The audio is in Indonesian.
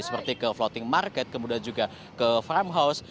seperti ke floating market kemudian juga ke farmhouse